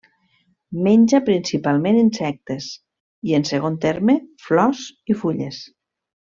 Menja principalment insectes i, en segon terme, flors i fulles.